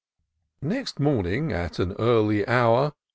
Next morning, at an early hour.